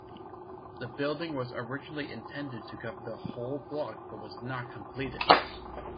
The building was originally intended to cover the whole block but was not completed.